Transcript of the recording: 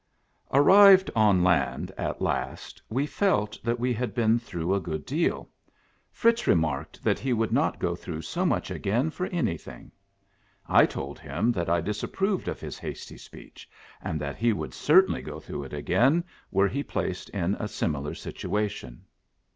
RRIVED on land at last, we felt that we had been through a good deal. Fritz re marked that he would '. not go through so much again for any ' thing. I told him that I disapproved of his hasty speech, and that he would cer tainly go through it again, were he placed in a similar situation.